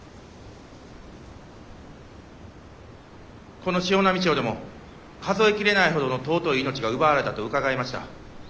この潮波町でも数え切れないほどの尊い命が奪われたと伺いました。